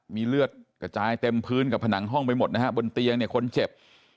มีเลือดกระจายเต็มพื้นกับผนังห้องไปหมดนะฮะบนเตียงเนี่ยคนเจ็บ